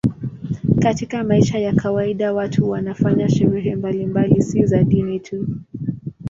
Katika maisha ya kawaida watu wanafanya sherehe mbalimbali, si za dini tu.